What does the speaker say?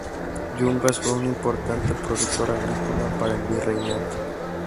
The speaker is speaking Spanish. Yungas fue un importante productor agrícola para el Virreinato.